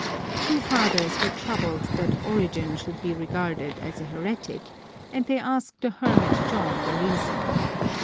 ^ Two Fathers were troubled that Origen should be regarded as a heretic, and they asked the hermit John the reason.